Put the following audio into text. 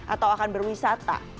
atau akan berwisata